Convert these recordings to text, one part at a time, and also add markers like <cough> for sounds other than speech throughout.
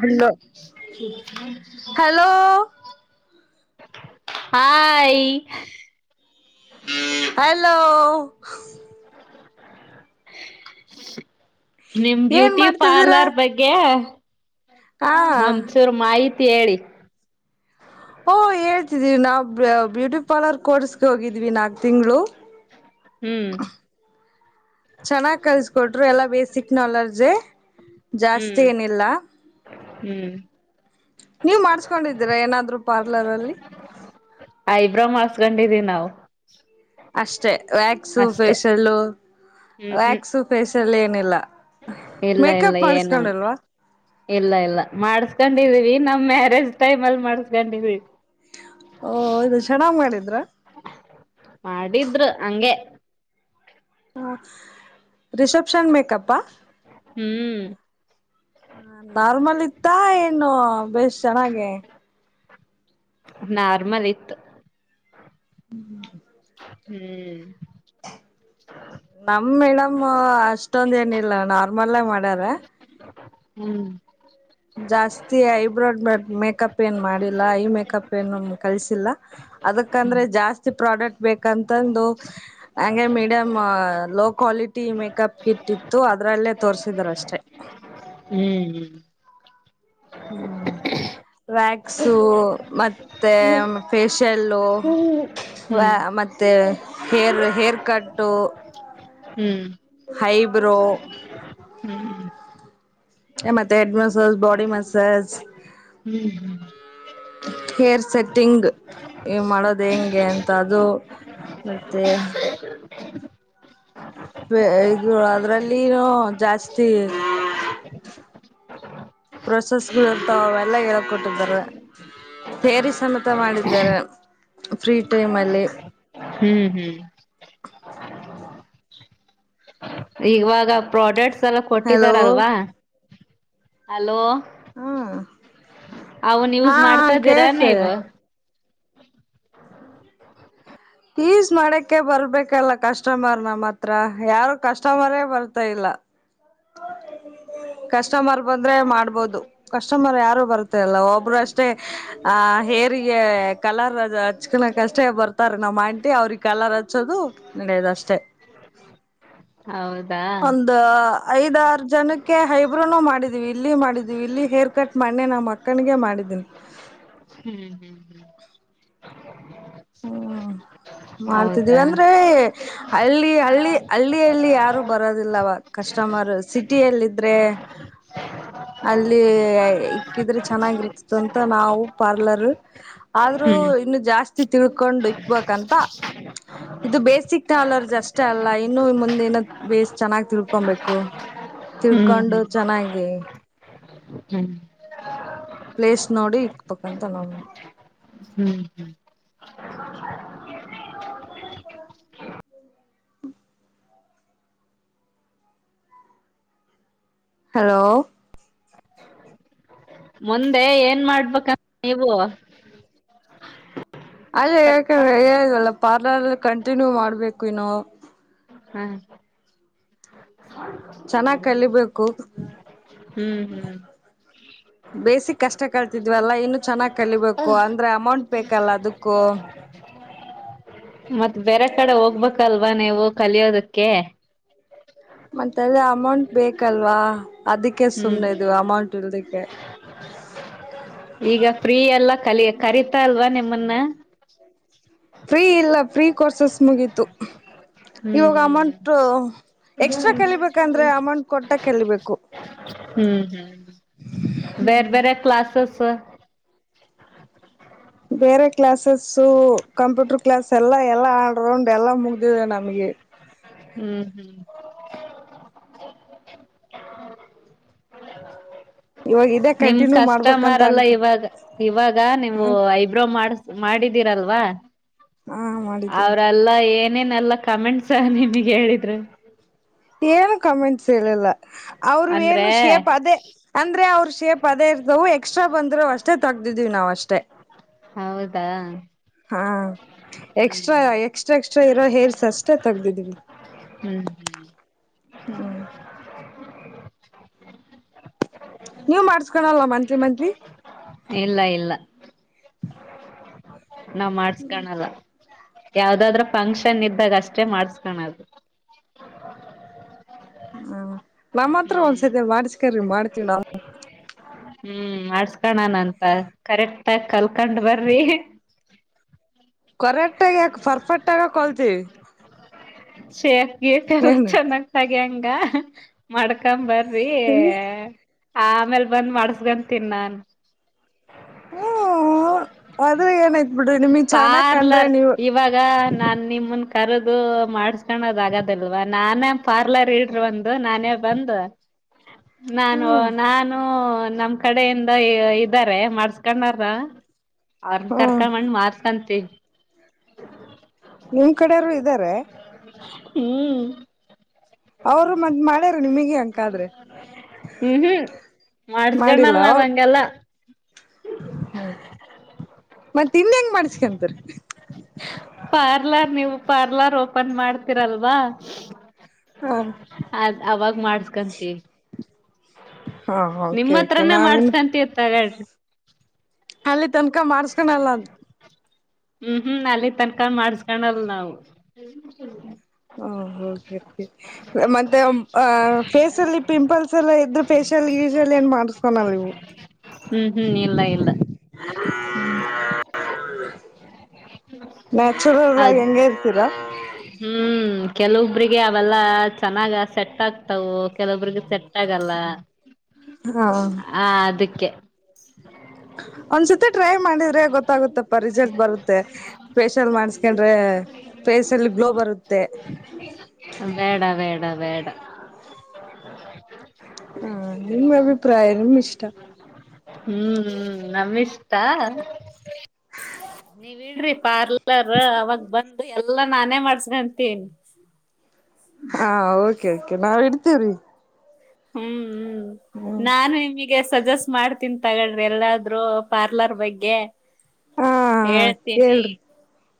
Hello hello <inaudible> hi hello ನಿಮ್ ಏನ್ beauty ಮಾಡ್ತಿದ್ದೀರಾ ಪಾರ್ಲರ್ ಬಗ್ ಗೇ ಹಾ ಒಂಚೂರ್ ಮಾಹಿತಿ ಹೇಳಿ ಓ ಹೇಳ್ತಿದೀವಿ ನಾವು ಬ್ಯೂಟಿ ಪಾರ್ಲರ್ ಕೋರ್ಸ್ಗೆ ಹೋಗಿದ್ವಿ ನಾಕ್ ತಿಂಗಳು ಹ್ಮ್ ಚೆನ್ನಾಗಿ ಕಲಿಸಕೊಟ್ರು ಎಲ್ಲ ಬೇಸಿಕ್ ನಾಲೆಡ್ಜ್ ಹ್ಮ್ ಜಾಸ್ತಿ ಏನಿಲ್ಲ ಹ್ಮ್ ನೀವು ಮಾಡ್ಸ್ಕೊಂಡಿದ್ದೀರಾ ಏನಾದ್ರು ಪಾರ್ಲರ್ ಅಲ್ಲಿ ಐಬ್ರೋ ಮಾಡಸ್ಕೊಂಡಿದೀವ್ ನಾವು ಅಷ್ಟೆ. ವ್ಯಾಕ್ಸು ಅಷ್ಟೆ ಫೇಶಿಯಲ್. ಹ್ಮ್ ಹ್ಮ್ ವ್ಯಾಕ್ಸು ಫೇಶಿಯಲ್ ಏನಿಲ್ಲ ಇಲ್ಲ ಇಲ್ಲ ಮೇಕಪ್ ಏನವನ್ ಮಾಡಿಸಕೊಂಡಲ್ವಾ? ಇಲ್ಲ ಇಲ್ಲ. ಮಾಡಸ್ಕೊಂಡಿದೀವಿ ನಮ್ಮ್ ಮ್ಯಾರೇಜ್ ಟೈಮ್ ಅಲ್ಲಿ ಮಾಡಸ್ಕೊಂಡಿದೀವಿ. ಓ ಒವ್ದ್ ಚನ್ನಾಗ್ ಮಾಡಿದ್ರ ಮಾಡಿದ್ರು ಹಂಗೆ. ಹಾ ರಿಸೆಪ್ಷನ್ ಮೇಕಪ್ಪಾ? ಹ್ಮ್ ನಾರ್ಮಲ್ ಇತ್ತ ಇನ್ನು ಬೇಸ್ ಚೆನ್ನಾಗೀ ನಾರ್ಮಲ್ ಇತ್ತು. ಹ್ಮ್ ಹ್ಮ್ <unintelligible> ನಮ್ ಮೇಡಮ್ ಅಷ್ಟೊಂದ ಏನಿಲ್ಲ ನಾರ್ಮಲ್ಲೇ ಮಾಡ್ಯಾರ ಹ್ಮ್ ಜಾಸ್ತಿ ಐಬ್ರೋ ಮೇಕಪ್ ಏನ್ ಮಾಡಿಲ್ಲ. ಐ ಮೇಕಪ್ ಏನು ಕಲ್ಸಿಲ್ಲ ಅದಕ್ಕಂದ್ರೆ ಜಾಸ್ತಿ ಪ್ರಾಡಕ್ಟ್ ಬೇಕಂತಂದು. ಹಂಗೆ madam low quality makeup kit ಇತ್ತು. ಅದರಲ್ಲೇ ತೋರಿಸಿದಾರಷ್ಟೆ. ಹ್ಮ್ ಹ್ಮ್ ಹ್ಮ್ ವ್ಯಾಕ್ಸು ಮತ್ತೆ ಫೇಶಿಯಲ್ಲು ವ ಹ್ಮ್ ಮತ್ತು ಹೇರ್ ಹೇರ್ ಕಟ್ಟು. ಹ್ಮ್ ಐ ಬ್ರೋ ಹ್ಮ್ ಮತ್ತೆ ಹೆಡ್ ಮಸಾಜ್ ಬಾಡಿ ಮಸಾಜ್ ಹ್ಮ್ ಹ್ಮ್ ಹೇರ್ ಸೆಟ್ಟಿಂಗ್ ಹೇ ಮಾಡೋದು ಹೆಂಗೆ ಅಂತ ಅದು ಮತ್ತೆ ಬೇ ಇದು ಅದ್ರಲ್ಲಿನು ಜಾಸ್ತಿ ಪ್ರೊಸೆಸ್ ಗಳು ಇರ್ತಾವೆಲ್ಲ ಹೇಳ್ ಕೊಟ್ಟಿದಿದ್ದಾರೆ. ಪೇರಿಸಸ್ನ್ತ ಮಾಡಿದ್ದಾರೆ ಫ್ರೀ ಟೈಮ್ ಅಲ್ಲಿ ಹ್ಮ್ ಹ್ಮ್ ಇವಾಗ ಪ್ರಾಡಕ್ಟ್ಸ್ ಎಲ್ಲ ಹಲೋ ಕೊಟ್ಟಿದಾರಲ್ವಾ ಹಲೋ. ಹಾ ಹಾ ಯೂಸ್ ಮಾಡ್ತಾ ಇದ್ದೀರಾ ಕೇಳಿಸ್ತಾಯಿದೆ. ನೀವು ಪೀಸ್ ಮಾಡಕ ಬರ್ಬೇಕಲ್ಲ ಕಸ್ಟಮರ್ ನಮ್ಮ ಹತ್ರ ಯಾರು ಕಸ್ಟಮರೇ ಬರ್ತಾ ಇಲ್ಲ. ಕಸ್ಟಮರ್ ಬಂದ್ರೆ ಮಾಡ್ಬೋದು. ಕಸ್ಟಮರ್ ಯಾರು ಬರ್ತ ಅಲ್ಲ ಒಬ್ರು ಅಷ್ಟೇ. ಆಹ್ ಹೇಗೆ ಕಲರ್ ಹಚ್ಕನ ಅಷ್ಟೇ ಬರ್ತಾರೆ ನಮ್ಮ ಆಂಟಿ ಅವ್ರಿಗೆ ಕಲರ್ ಹಚ್ಚೋದು. ನೆಡಿಯದು ಅಷ್ಟೇ. ಹೌದಾ ಒಂದು ಐದಾರು ಜನಕ್ಕೆ ಹೈಬ್ರೋನು ಮಾಡಿದೀವಿ ಇಲ್ಲಿ ಮಾಡಿದೀವಿ ಇಲ್ಲಿ ಹೇರ್ ಕಟ್ ಮಾಡನೇ. ನಮ್ಮ ಅಕ್ಕನಿಗೆ ಮಾಡಿದ್ದೀನಿ. ಹ್ಮ್ ಹ್ಮ್ ಹ್ಮ್ ಹ ಮಾಡ್ತಿದೀವಿ ಹೌದಾ ಅಂದ್ರೆ. ಹಳ್ಳಿ ಹಳ್ಳಿ ಹಳ್ಳಿಯಲ್ಲಿ ಯಾರೂ ಬರೋದಿಲ್ಲವ ಕಸ್ಟಮರ್ ಸಿಟಿಯಲ್ಲಿದ್ದ್ರರೆ. <inaudible> ಅಲ್ಲಿ ಇಕ್ಕಿದ್ರೆ ಚೆನ್ನಾಗಿರ್ತದ ಅಂತ ನಾವು ಪಾರ್ಲರ್. ಆದ್ರೂ ಹ್ಮ್ ಇನ್ನು ಜಾಸ್ತಿ ತಿಳ್ಕೊಂಡು ಇಕ್ಬೇಕಂತ. ಇದು ಬೇಸಿಕ್ ಟಾಲರ್ ಅಷ್ಟೇ ಅಲ್ಲ ಇನ್ನು ಮುಂದೆ ಏ ಬೇಸ್ಟ್ ಚೆನ್ನಾಗಿ ತಿಳ್ಕೊಬೇಕು.. ಹ್ಮ್ ತಿಳ್ಕೊಂಡು ಚೆನ್ನಾಗಿ ಹ್ಮ್. ಪ್ಲೇಸ್ ನೋಡಿ ಇಕ್ಬಾಬೇಕಂತ ನಾವು. ಹ್ಮ್ ಹ್ಮ್. <inaudible> ಹಲೋ. ಮುಂದೆ ಏನ್ ಮಾಡ್ಬೇಕ ನೀವು. ಅದ ಹ ಯಾಕಂದ್ರೆಲ್ಲ ಪಾರ್ಲರ್ಲ್ಲ ಕಂಟಿನ್ಯೂ ಮಾಡ್ಬೇಕು ಇನ್ನು. ಹ್ಮ <inaudible> ಚೆನ್ನಾಗಿ ಕಲಿಬೇಕು. ಹ್ಮ್ ಹ್ಮ್. ಬೇಸಿಕಷ್ಟ ಕಳ್ತಿದ್ವಲ್ಲ ಇನ್ನು ಚೆನ್ನಾಗ್ ಕಲಿಬೇಕು ಅಂದ್ರೆ ಅಮೌಂಟ್ ಬೇಕಲ್ಲ ಅದಕ್ಕೂ.. ಮತ್ ಬೇರೆ ಕಡೆ ಹೋಗ್ಬೇಕಲ್ವಾ ನೀವು ಕಲಿಯೋದಕ್ಕೆ. ಮತ್ತ ಅಲ್ಲ ಅಮೌಂಟ್ ಬೇಕಲ್ವಾ ಅದಕ್ಕೆ ಹ್ಮ್ ಸುಮ್ನೆ ಹ್ಮ್ ಇದವಿ ಅಮೌಂಟ್ ಇಲ್ದಕ್ಕೆ. <inaudible> ಈಗ ಫ್ರೀ ಎಲ್ಲ ಕಲಿಕರತಾ ಅಲ್ವಾ ನಿಮ್ಮನ್ನ. ಫ್ರೀ ಇಲ್ಲ ಫ್ರೀ ಕೋರ್ಸಸ್ ಮುಗೀತು ಹ್ಮ್ ಇವಾಗ ಅಮೌಂಟ್. ಎಕ್ಸ್ಟ್ರಾ ಕಲಿಬೇಕಂದ್ರೆ ಅಮೌಂಟ್ ಕೊಟ್ಟ ಕಲಿಬೇಕು ಹ್ಮ್ ಹ್ಮ. ಬೇರೆ ಬೇರೆ ಕ್ಲಾಸಸ್. ಬೇರೆ ಕ್ಲಾಸಸ್ ಕಂಪ್ಯೂಟರ್ ಕ್ಲಾಸ್ ಎಲ್ಲಾ ಎಲ್ಲ ಆಡ್ರೌಂಡ್ ಎಲ್ಲ ಮುಗ್ದಿದೆ ನಮಗೆ. ಹ್ಮ್ ಹ್ಮ್. ಇವಾಗ ಇದೇ <inaudible> ನಿಮ್ ಕಂಟಿನ್ಯೂ ಮಾಡ್ಬೇಕಂತ ಕಸ್ಟಮರ್ ಎಲ್ಲ ಅನ್ಕ ಇವಾಗ ಇವಾಗ ನೀವು ಹ ಐಬ್ರೋ ಮಾಡ. ಮಾಡಿದೀರಲ್ವಾ. ಹಾ ಮಾಡಿದ್ದೀವಿ ಅವ್ರಲ್ಲ ಏನೇನೆಲ್ಲಾ ಕಮೆಂಟ್ಸ್ ನಿಮಗ್ ಹೇಳಿದ್ರು. ಏನು ಕಮೆಂಟ್ಸ್ ಹೇಳಿಲ್ಲ ಅವರು ಅಂದ್ರೆ ಏನು ಶೇಪ್ ಅದೇ. ಅಂದ್ರೆ ಅವ್ರರು ಶೇಪ್ ಅದೇ ಇರ್ತವು ಎಕ್ಸ್ಟ್ರಾ ಬಂದರರು ಅಷ್ಟೇ ತಗ್ದಿದೀವಿ ನಾವು ಅಷ್ಟೇ. ಹೌದಾ. ಹಾ ಎಕ್ಸ್ಟ್ರಾ ಎಕ್ಸ್ಟ್ರಾ ಎಕ್ಸ್ಟ್ರಾ ಇರೋ ಹೇರ್ಸ್ ಅಷ್ಟೇ ತಗ್ದಿದ್ವಿ. ಹ್ಮ್ ಹ್ಮ್. <inaudible> ನೀವು ಮಾಡ್ಸ್ಕೊಳಲ್ಲವಾ ಮಂತ್ಲಿ ಮಂತ್ಲಿ. ಇಲ್ಲ ಇಲ್ಲ ನಾವ್ ಮಾಡ್ಸ್ಕಾಣಲ್ಲ ಯಾವ್ದಾದ್ರ ಫಂಕ್ಷನ್ ಇದ್ದಾಗ ಅಷ್ಟೆ ಮಾಡ್ಸ್ಕಾಣದು. ನಮ್ಮ ಹತ್ರ ಹ್ಮ್ ಒಂದ್ಸತಿ ಮಾಡ್ಸ್ಕರ್ರಿ ಮಾಡ್ತೀವಿ ನಾವು. ಹ್ಮ್ ಮಾಡಿಸಿಕೊಳೋಣ ಅಂತ ಕರೆಕ್ಟ್ ಆಗಿ ಕಲ್ಕಂಡ್ ಬರ್ರಿ. ಕರೆಕ್ಟ್ ಆಗ ಯಾಕೆ ಪರ್ಫೆಕ್ಟ್ ಹಾಗ ಕಲ್ತಿವಿ. ಶೇಫ್ ಗೀತೆ ಎಲ್ಲ ಏನು ಚೆನ್ನಾಗ ತೆಗಿಯಂಗ ಮಾಡ್ಕೊಂಬರಿ. ಆ ಆಮೇಲೆ ಬಂದ್ ಮಾಡಸ್ಕಂತೀನೀ ನಾನ್ ಹ್ಮ ಆದ್ರೆ ಏನಾಯ್ತ್ ಬಿಡ್ರಿ ನಿಮಗ್ <inaudible> ಚೆನ್ನಾಗ್ ಕಂಡ್ರೆ ಪಾರ್ಲರ್ ನೀವು ಇವಾಗ ನಾ ನಿಮ್ಮ. ನಿಮಮ್ಮ್ನ ಕರದು ಮಾಡ್ಸ್ಕೊಂಡದ ಆಗದಲ್ವಾ ನಾನೇ ಪಾರ್ಲರ್ ಇಡ್ರ ಒಂದು ನಾನೇ ಬಂದ ನಾನು ಹ್ಮ್ ನಾನು ನಮ್ ಕಡೆಯಿಂದ ಇದ. ಇದಾರೆ ಮಾಡಾರ್ಸ್ಕೊಂಡಾರ್ರ ಅವ್ರನ್ ಹ್ಮ್ ಕರ್ಕೊಂಡ ಬಂದ್ ಮಾಡಿಸ್ಕೊಂತೀವಿ. ನಿಮ್ ಕಡೆಯರು ಇದ್ದಾರೆ. ಹ್ಮ ಅವರು ಮದ್ ಮಾಡ್ಯಾರ ನಿಮಗೆ ಹಕಾದ್ರೆ ಹ್ಮ್ ಮಾಡಿಲ್ಲ ಅವ. ಎಲ್ಲಾ ಹ್ಮ ಮತ್ತ ಇನ್ ಹೆಂಗ್ ಮಾಡ್ಸ್ಕಂತರಿ. ಪಾರ್ಲರ್ ನೀವು ಪಾರ್ಲರ್ ಓಪನ್ ಮಾಡ್ತೀರಲ್ವಾ. ಹ ಅದ ಅವಾಗ ಮಾಡ್ಸ್ಕಂತೀವಿ ಹಾ ನಿಮ್ಮ ಓಕೆ ಓಕೆ ಹತ್ರನೇ ನಾವಿನ್ ಮಾಡ್ಸ್ಕೊಂತ ತಗಳ್ರಿ. ಅಲ್ಲಿ ತನ್ಕ ಮಾಡ್ಸ್ಕನಲ್ಲ ಅಂತ. ಹ್ಮ್ ಹ್ಮ್ ಅಲ್ಲಿ ತನ್ಕಾ ಮಾಡ್ಸ್ಕೊಂಡಲ್ ನಾವು ಹ್ಮ್ ಮತ್ತೆ ಫೇಸ್ಲ್ಲಿ ಪಿಂಪಲ್ಸ್ ಎಲ್ಲ ಇದ್ರರು ಫೇಶಲ್ ಗಿಶಲ್ ಏನ್ ಮಾಡ. ನೀವು ಹ್ಮ್ ಹ್ಮ್ ಇಲ್ಲ ಇಲ್ಲ. ನ್ಯಾಚುರಲ್ ಅದ ಆಗಿ ಹೆಂಗೆ ಇರ್ತೀರಾ ಹ್ಮ್. ಕೆಲವೊಬ್ರಿಗೆ ಅವೆಲ್ಲ ಚೆನ್ನಾಗ ಸೆಟ್ ಆಗ್ತವು ಕೆಲವೊಬ್ರಿಗೆ ಸೆಟ್ ಆಗಲ್ಲ. <inaudible> ಹಾ. ಹಾ ಅದಿಕ್ಕೆ. ಒಂದ್ಸತಿ ಟ್ರೈ ಮಾಡಿದ್ರೆ ಗೊತ್ತಾಗುತ್ತೆ. ರಿಸಲ್ಟ್ ಬರುತ್ತೆ ಫೇಶಿಯಲ್ ಮಾಡಸ್ಕೊಂಡ್ರೆ ಫೇೇಶಲ್ಲಿ ಗ್ಲೋ ಬರುತ್ತೆ. ಬೇಡ ಬೇಡ ಬೇಡ. ಹಾ ನಿಮ್ಮ್ ಅಭಿಪ್ರಾಯ ನಿಮ್ ಇಷ್ಟ. ಹ್ಮ್ ನಮಿಷ್ಟ. ಬಿಡ್ರಿ ಪಾರ್ಲರ್ ಅವಾಗ ಬಂದು ಎಲ್ಲಾ ನಾನೇ ಮಾಡ್ಸ್ಕಂತೀನಿ. ಹಾ ಓಕೆ ಓಕೆ ನಾವ್ ಇಡ್ತೇವ್ರಿ. ಹ್ಮ್ ನಾನು. ಹಾಗೆ ಸಜೆಸ್ಟ್ ಮಾಡ್ತನೀ ತಗಳ್ರಿ ಎಲ್ಲಾದ್ರು ಪಾರ್ಲರ್ ಬಗ್ಗೆ. ಹಾ ಹೇಳ್ತೀನಿ. ಹೇಳ್ರಿ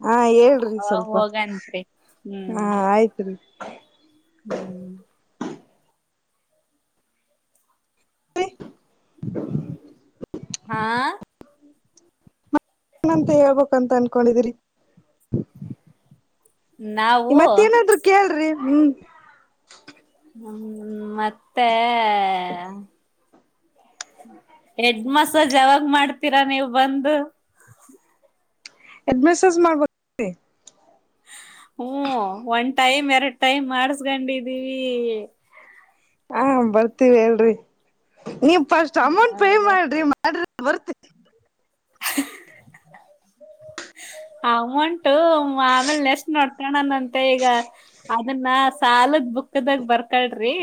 ಹಾ, ಹೇಳ್ರಿ ಅವಾಗ ಸ್ವಲ್ಪ ಹೋಗಂತ್ರಿ. ಹಾ ಹ್ಮ್ ಆಯ್ತ್ರಿ. ಹ್ಮ್, ಹ <unintelligible> ಹಾ, ಏನಂತ ಹೇಳ್ಬೇಕು ಅಂತ ಅನ್ಕೊಂಡಿದರಿ. ನಾವು ನಿಮ್ಮತ್ತಿಏನಂದ್ರು ಕೇಳ್ರಿ ಹ್ಮ್. ಹ್ಮ್, ನಮ್ಮತ್ತೆ ಎಡ್ ಮಸಾಜ್ ಯಾವಾಗ್ ಮಾಡ್ತೀರಾ ನೀವು ಬಂದು?. ಎಡ್ಮೆಸಾಸ್ ಮಾಡ್ಬೇ ಹ್ಮ, ಒಂದ್ ಟೈಮ್, ಎರಡ್ ಟೈಮ್ ಮಾಡಸ್ಕೊಂಡಿದೀವಿ. ಹಾ, ಬರ್ತೀವಿ ಹೇಳ್ರಿ ನೀವ್ ಫಸ್ಟ್ ಅಮೌಂಟ್ ಪೇ ಹೌದಾ. ಮಾಡ್ರಿ ಮಾಡ್ರಿ ಬರ್ತ ಅನ <unintelligible> ಆಮೇಲೆ ನೆಷ್ಟ್ ನೋಡ್ತಣನಂತೆ ಈಗ ಅದನ್ನ ಸಾಲದ ಬುಕ್ ಬುಕ್ಕದಾಗ ಬರ್ಕಳ್ರಿ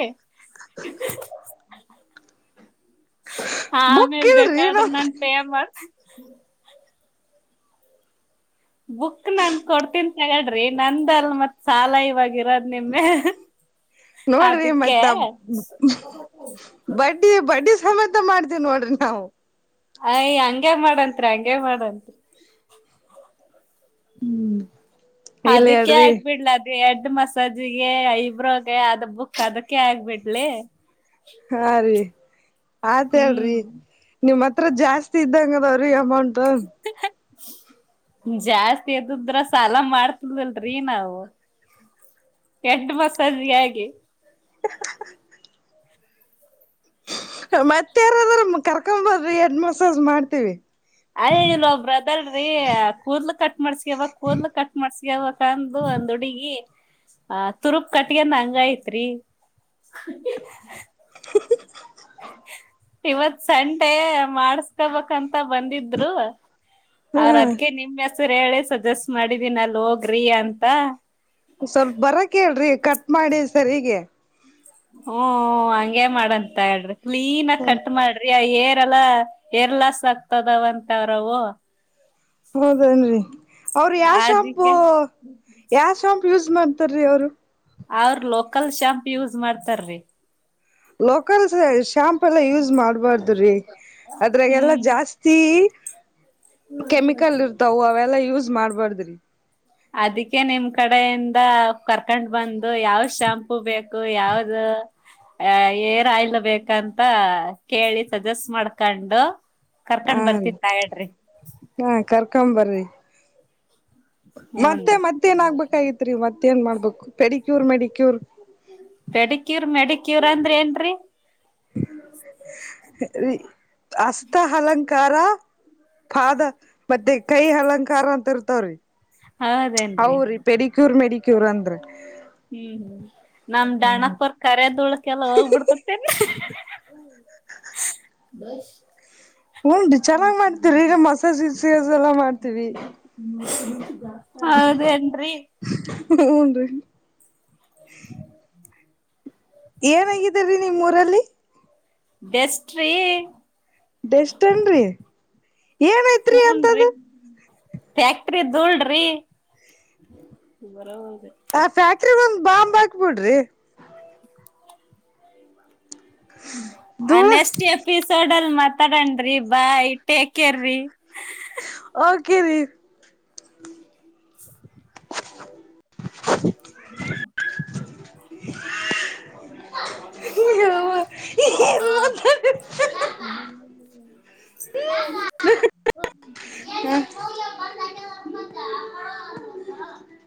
ಆ ಬುಕ್ ಆಮೇಲ್ ಇಲ್ರಿ ಏನೋ ಬೇಕಾದ್ರೆ ನಾನ್ ಪೇಮಾಡ್ತೀನಿ. ಬುಕ್ ನನ್ ಕೊಡ್ತೀನ್ತಗಳ್ರಿ ನಂದ ಅಲ್ ಮತ್ ಸಾಲ ಇವಾಗಿರೋದ. ನಿಮ್ಮೆ <unintelligible> ನೋಡ್ರಿ ಮತ್ ಅದಕ್ಕೆ ನಾವ್ ಬಡ್ಡಿ ಬಡ್ಡಿ ಸಮೇತ ಮಾಡ್ತೇವಿ ನೋಡ್ರಿ ನಾವು. ಅಯ್ ಹಂಗ್ಯಾಕ ಮಾಡಂತ್ರಿ ಹಂಗೆ ಮಾಡ್ರಿ. <inaudible> ಹ್ಮ್, ಇಲ್ಲ ಅದಕ್ಕೆ ಹೇಳ್ರಿ ಆಗ್ಬಿಡ್ಲ <unintelligible> ಹೆಡ್ ಮಸಾಜಿಗೆ ಐಬ್ರೋಗೆ ಅದ ಬುಕ್ ಅದಕ್ಕೆ ಆಗ್ಬಿಡ್ಲಿ. ಹಾ ರೀ ಆತ್ ಹ್ಮ್ ಹೇಳ್ರಿ ನಿಮ್ ಹತ್ರ ಜಾಸ್ತಿ ಇದ್ದಂಗದಾವ್ರೀ ಅಮೌಂಟ್. ಹ ಹ <unintelligible> ಜಾಸ್ತಿ ಇದಿದ್ರ ಸಾಲ ಮಾಡ್ತೀದಿಲ್ರಿನಾವು. ಎಟು ಮಸಾಜಿಗೆ ಆಾಗಿಿ <unintelligible> <inaudible> ಮತ್ತೆ ಯಾರದಾರ ಕರ್ಕೊಂಬಾ ಎಡ್ ಮಸಾಜ್ ಮಾಡ್ತೀವಿ. ಅಯ್ ಇಲ್ ಒಬ್ರು ಅದಾರಿ ಕೂದಲ ಕಟ್ ಮಾಡ್ಸ್ಕಬೇಕು ಕೂದಲ ಕಟ್ ಮಾಡ್ಸಕಬೇಕ. ಕಂದು <unintelligible> ಒಂದ್ ಹುಡುಗಿ ಆ ತುರುಬ ಕಟ್ಗಗಂದ ಹಂಗ ಐತ್ರಿ. <inaudible> ಇವತ್ ಸಂಡೆ ಮಾಡಸ್ಕೊಬೇಕಂತ ಬಂದಿದ್ದ. ್ರು ಹಾ ಅವ್ರ ಅದಕ್ಕೆ ನಿಮೆ <unintelligible> ನಿಮ್ಮಹೆಸರಹೇಳಿ ಸಜೆಸ್ಟ್ ಮಾಡಿದೀನ ಅಲ್ ಹೋಗ್ರಿ ಅಂತ. ಸ್ವಲ್ಪ ಬರ ಕೇಳ್ರಿ ಕಟ್ ಮಾಡಿ ಸರಿಗೆ. ಹ್ಮ, ಹಂಗೆ ಮಾಡಂತ ಹೇಳ್ರಿ ಕ್ಲೀನ್ ಆಗ ಹ್ಮ್ ಕಟ್ ಮಾಡ್ರಿ. ಹೇರೆಲ್ಲಾಹೇರ್ಲಾಸ್ ಆಗ್ತದವಂತವ್ರು. ಹೌದೇನ್ ರಿ ಅವರು ಯಾವ ಶಾಂಪು ಅದಕ್ಕೆ ಯಾವ ಶಾಂಪೂ ಯೂಸ್ ಮಾಡ್ತಾರೀ ಅವರು. ಅವ್ರ ಲೋಕಲ್ ಶಾಂಪು ಯೂಸ್ ಮಾಡ್ತಾರ್ರೀ. ಲೋಕಲ್ ಶಾಂಪು ಎಲ್ಲ ಯೂಸ್ ಮಾಡ್ಬಾರ್ದುರೀ ಅದ್ರಾಗೆಲ್ಲಾ ಹ್ಮ್ ಜಾಸ್ತಿ ಕೆಮಿಕಲ್ ಇರ್ತಾವ ಅವೆಲ್ಲಾ ಯೂಸ್ ಮಾಡ್ಬಾರ್ದಿ. ಅದಕ್ಕೆ ನಿಮ್ ಕಡೆಯಿಂದ ಕರ್ಕೊಂಡ್ ಬಂದು ಯಾವ ಶ್ಯಾಂಪೂ ಬೇಕು ಯಾವ್ದು? ಏ ಹೇರ್ ಆಯಿಲ್ ಬೇಕ ಅಂತ ಕೇಳಿ ಸಜೆಸ್ಟ್ ಮಾಡ್ಕೊಂಡು. <unintelligible> ಹಾ ಕರ್ಕೊಂಡ್ ರೀ ಬರ್ತಿದ್ನಾ ಹೇಳ್ರಿ. <unintelligible> ಹಾ ಕರ್ಕೊಂಬರ್ರಿ ಮತ್ತೆ ಹೂನ್ರಿ ಮತ್ತೆ ಏನಗ್ಬೇಕಾಗಿತ್ತ. <unintelligible> ರಿ ಮತ್ತ ಏನ್ ಮಾಡ್ಬೇಕು ಪೆಡಿಕ್ಯೂರ್ ಮೆಡಿಕ್ಯೂರ್. <unintelligible> ಪೆಡಿಕ್ಯೂರ್ ಮೆಡಿಕ್ಯೂರ್ ಅಂದ್ರ ಏನ್ರೀ. <unintelligible> <unintelligible> ರಿ ಹಸ್ತ ಹಲಂಕಾರ. <unintelligible> ಪಾದ ಮತ್ತೆ ಕೈ ಹಲಂಕಾರ ಅಂತ ಇರ್ತವ್ರಿ. <unintelligible> ಹೌದೇನ್ರಿ ಅವರಿ ಪೆಡಿಕ್ಯೂರ್ ಮೆಡಿಕ್ಯೂರ್ ಅಂದ್ರ. <unintelligible> ಹೂ ನನ್ನ ದಣಪರ್ ಕರದೋಳಕ್ಕೆಲ್ಲ ಹೋಗ್ಬಿಡ್ತಟ್ಟೇನೆ ಏನ್ರಿ. <unintelligible> ಬಸ್ಸ. <unintelligible> ಹುನ್ರಿ ಚೆನ್ನಗ ಮಾಡ್ತತಿವ್ರಿ ಈಗ ಮಸಾಜ ಸೇಲ್ಸ್ ಎಲ್ಲಾ ಮಾಡ್ತೀವಿ. <unintelligible> ಹೌದ ಏನ್ರೀ. <unintelligible> ಹುನ್ರಿ. <unintelligible> ಏನ ಆಗಿದೀ ರಿ ನಿಮ್ಮ ಊರಲ್ಲಿ? <unintelligible> ಬೆಸ್ಟ್ ರೀ. <unintelligible> ಬೆಸ್ಟ್ ಏನ್ರಿ ಏನಾಯ್ತ. <unintelligible> ಹುನ್ರಿ ಫ್ಯಾಕ್ಟರಿ ಧೂಳರೀ. <unintelligible> ಬರವಲ್ಲದ. <unintelligible> ಆ ಫ್ಯಾಕ್ಟರಿ ಒಂದ್ ಬಾಂಬ್ ಹಾಕ್ಬಿಡ್ರಿ. <unintelligible> ಆ ಧೂಳ ನೆಕ್ಸ್ಟ್ ಎಪಿಸೋಡ್ ಅಲ್ಲಿ ಮಾತಾಡೋನ ರೀ ಬೈ ಟೇಕ್ ಕೇರ್ ರೀ. <unintelligible> ಓಕೆ ರೀ. <unintelligible> <inaudible> <unintelligible> <unintelligible> ಏನ್ ಮಾತಾಡಿದ್ ಹಾ ಅನ್ನಲ ಈಗ. <inaudible> <unintelligible>